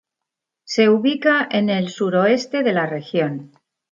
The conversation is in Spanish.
Se ubica en el suroeste de la región.